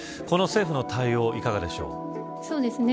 この政府の対応いかがでしょう。